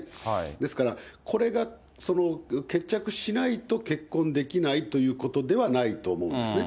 ですから、これが決着しないと、結婚できないということではないと思うんですね。